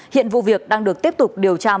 hiện vụ việc đang được tiếp tục điều tra mở